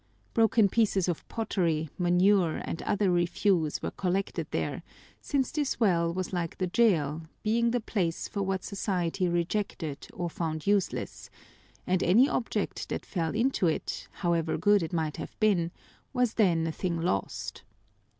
Broken pieces of pottery, manure, and other refuse were collected there, since this well was like the jail, being the place for what society rejected or found useless, and any object that fell into it, however good it might have been, was then a thing lost.